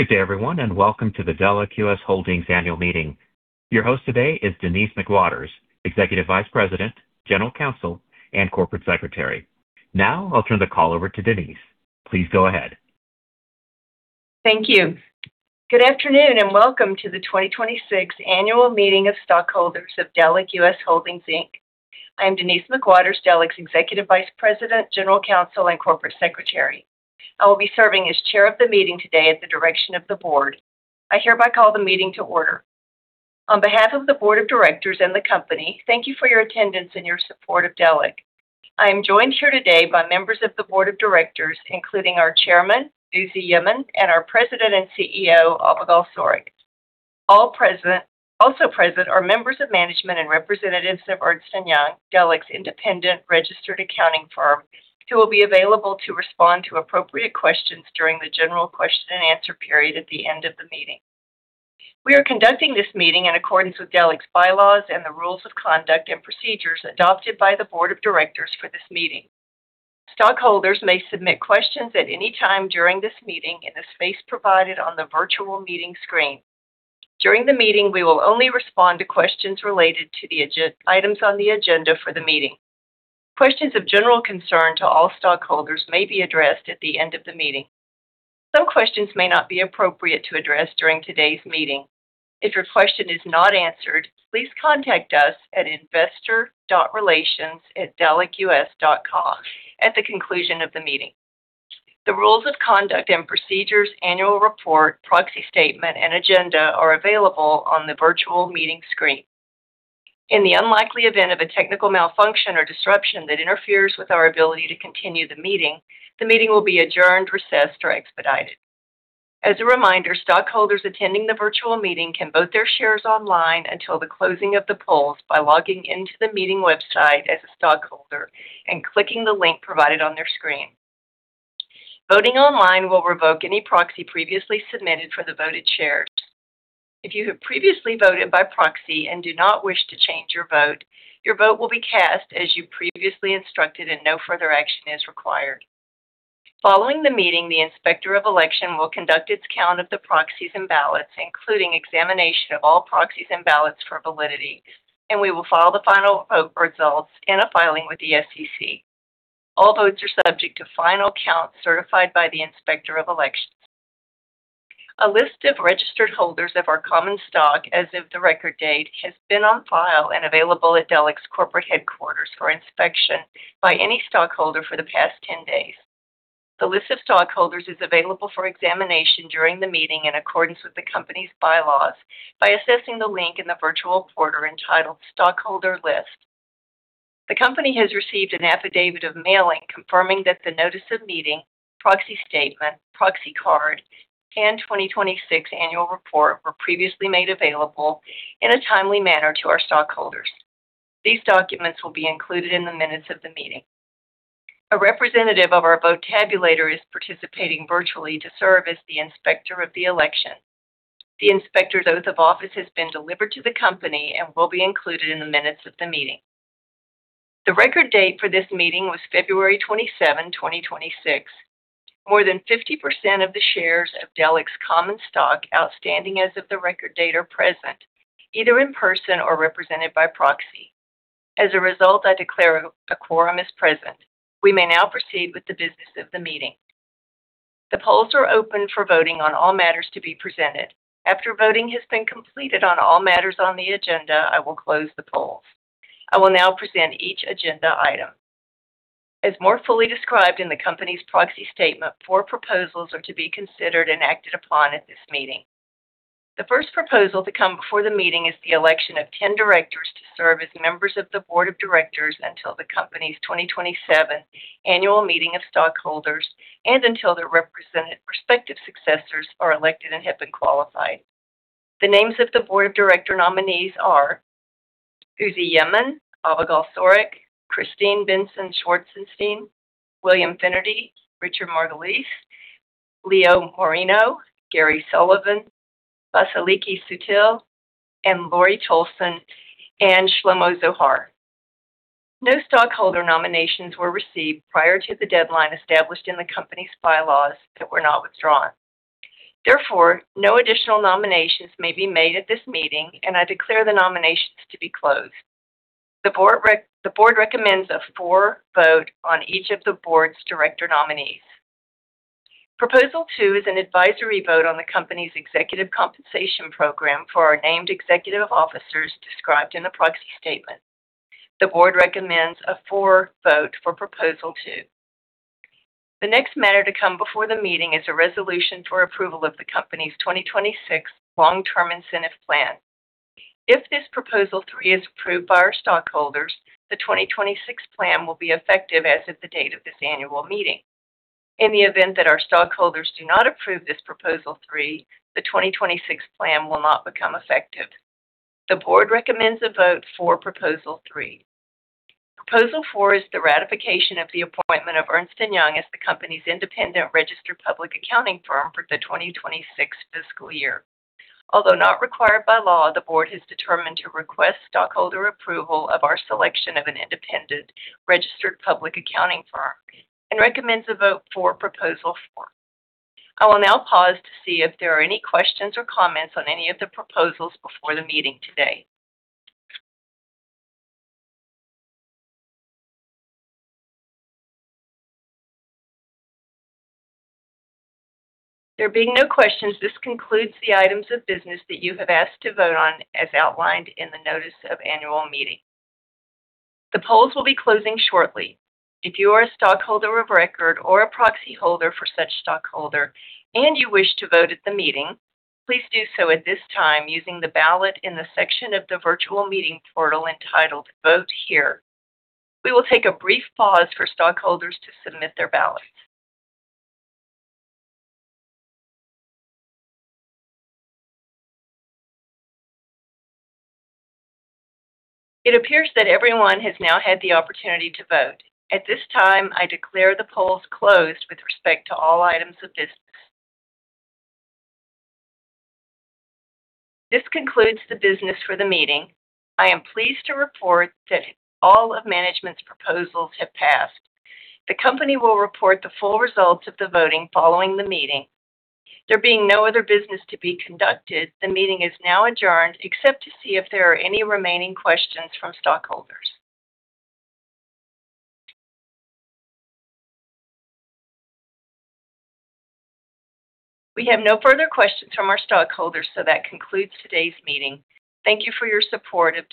Good day everyone, and welcome to the Delek US Holdings annual meeting. Your host today is Denise McWatters, Executive Vice President, General Counsel and Corporate Secretary. Now I'll turn the call over to Denise. Please go ahead. Thank you. Good afternoon, and welcome to the 2026 annual meeting of stockholders of Delek US Holdings, Inc. I am Denise McWatters, Delek's Executive Vice President, General Counsel, and Corporate Secretary. I will be serving as Chair of the meeting today at the direction of the Board. I hereby call the meeting to order. On behalf of the Board of Directors and the company, thank you for your attendance and your support of Delek. I am joined here today by members of the Board of Directors, including our Chairman, Uzi Yemin, and our President and CEO, Avigal Soreq. Also present are members of management and representatives of Ernst & Young, Delek's independent registered accounting firm, who will be available to respond to appropriate questions during the general question and answer period at the end of the meeting. We are conducting this meeting in accordance with Delek's bylaws and the rules of conduct and procedures adopted by the Board of Directors for this meeting. Stockholders may submit questions at any time during this meeting in the space provided on the virtual meeting screen. During the meeting, we will only respond to questions related to the items on the agenda for the meeting. Questions of general concern to all stockholders may be addressed at the end of the meeting. Some questions may not be appropriate to address during today's meeting. If your question is not answered, please contact us at investor.relations@delekus.com at the conclusion of the meeting. The rules of conduct and procedures, annual report, proxy statement, and agenda are available on the virtual meeting screen. In the unlikely event of a technical malfunction or disruption that interferes with our ability to continue the meeting, the meeting will be adjourned, recessed, or expedited. As a reminder, stockholders attending the virtual meeting can vote their shares online until the closing of the polls by logging into the meeting website as a stockholder and clicking the link provided on their screen. Voting online will revoke any proxy previously submitted for the voted shares. If you have previously voted by proxy and do not wish to change your vote, your vote will be cast as you previously instructed and no further action is required. Following the meeting, the Inspector of Election will conduct its count of the proxies and ballots, including examination of all proxies and ballots for validity, and we will file the final vote results in a filing with the SEC. All votes are subject to final count certified by the Inspector of Elections. A list of registered holders of our common stock as of the record date has been on file and available at Delek's corporate headquarters for inspection by any stockholder for the past 10 days. The list of stockholders is available for examination during the meeting in accordance with the company's bylaws by accessing the link in the virtual portal entitled Stockholder List. The company has received an affidavit of mailing confirming that the notice of meeting, proxy statement, proxy card, and 2026 annual report were previously made available in a timely manner to our stockholders. These documents will be included in the minutes of the meeting. A representative of our vote tabulator is participating virtually to serve as the Inspector of the election. The Inspector's oath of office has been delivered to the company and will be included in the minutes of the meeting. The record date for this meeting was February 27, 2026. More than 50% of the shares of Delek's common stock outstanding as of the record date are present, either in person or represented by proxy. As a result, I declare a quorum is present. We may now proceed with the business of the meeting. The polls are open for voting on all matters to be presented. After voting has been completed on all matters on the agenda, I will close the polls. I will now present each agenda item. As more fully described in the company's proxy statement, four proposals are to be considered and acted upon at this meeting. The first proposal to come before the meeting is the election of 10 directors to serve as members of the Board of Directors until the company's 2027 annual meeting of stockholders and until their respective successors are elected and have been qualified. The names of the Board of Directors nominees are Uzi Yemin, Avigal Soreq, Christine Benson Schwartzstein, William Finnerty, Richard Marcogliese, Leo Moreno, Gary Sullivan, Vasiliki Sutil, Laurie Tolson and Shlomo Zohar. No stockholder nominations were received prior to the deadline established in the company's bylaws that were not withdrawn. Therefore, no additional nominations may be made at this meeting, and I declare the nominations to be closed. The Board recommends a vote for on each of the Board's director nominees. Proposal two is an advisory vote on the company's executive compensation program for our named executive officers described in the proxy statement. The Board recommends a vote for proposal two. The next matter to come before the meeting is a resolution for approval of the company's 2026 long-term incentive plan. If this proposal three is approved by our stockholders, the 2026 plan will be effective as of the date of this annual meeting. In the event that our stockholders do not approve this proposal three, the 2026 plan will not become effective. The Board recommends a vote for proposal three. Proposal four is the ratification of the appointment of Ernst & Young as the company's independent registered public accounting firm for the 2026 fiscal year. Although not required by law, the Board has determined to request stockholder approval of our selection of an independent registered public accounting firm and recommends a vote for proposal four. I will now pause to see if there are any questions or comments on any of the proposals before the meeting today. There being no questions, this concludes the items of business that you have asked to vote on as outlined in the notice of annual meeting. The polls will be closing shortly. If you are a stockholder of record or a proxy holder for such stockholder and you wish to vote at the meeting, please do so at this time using the ballot in the section of the virtual meeting portal entitled Vote Here. We will take a brief pause for stockholders to submit their ballots. It appears that everyone has now had the opportunity to vote. At this time, I declare the polls closed with respect to all items of business. This concludes the business for the meeting. I am pleased to report that all of management's proposals have passed. The company will report the full results of the voting following the meeting. There being no other business to be conducted, the meeting is now adjourned, except to see if there are any remaining questions from stockholders. We have no further questions from our stockholders, so that concludes today's meeting. Thank you for your support of Delek.